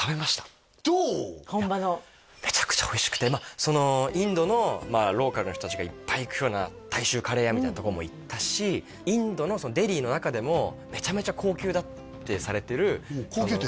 本場のインドのローカルの人達がいっぱい行くような大衆カレー屋みたいなとこも行ったしインドのデリーの中でもめちゃめちゃ高級だってされてる高級店？